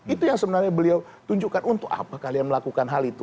itu yang sebenarnya beliau tunjukkan untuk apa kalian melakukan hal itu